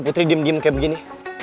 putri dim dim kayak begini